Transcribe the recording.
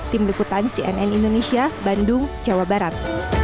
tim liputan cnn indonesia bandung jawa barat